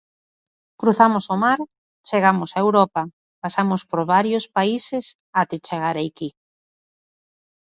Cruzamos o mar, chegamos a Europa, pasamos por varios países até chegar aquí.